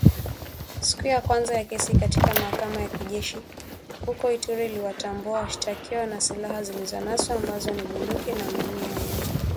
Siku ya kwanza ya kesi katika mahakama ya kijeshi huko Ituri iliwatambua washtakiwa na silaha zilizonaswa ambazo ni bunduki na mamia ya risasi